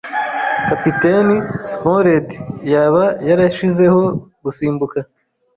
Kapiteni Smollett yaba yarashizeho gusimbuka.